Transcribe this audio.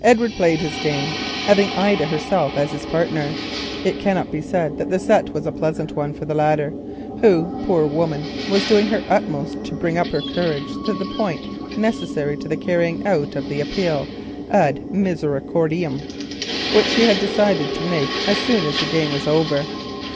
Edward played his game, having Ida herself as his partner. It cannot be said that the set was a pleasant one for the latter, who, poor woman, was doing her utmost to bring up her courage to the point necessary to the carrying out of the appeal ad misericordiam, which she had decided to make as soon as the game was over.